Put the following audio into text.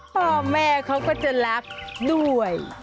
พ่อแม่เขาก็จะรักด้วย